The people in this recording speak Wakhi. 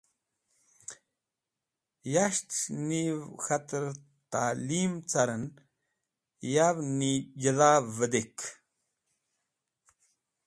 Yashtes̃h niv k̃hater ta’lim caren, yav’ni jidha vẽdekisht.